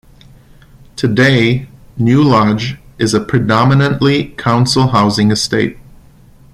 Today New Lodge is a predominantly council housing estate.